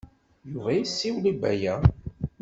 Yuba yessiwel i Baya.